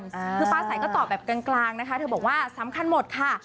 คือฟ้าใสก็ตอบแบบกลางนะคะเธอบอกว่าสำคัญหมดค่ะ